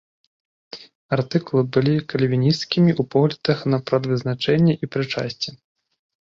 Артыкулы былі кальвінісцкімі ў поглядах на прадвызначэнне і прычасце.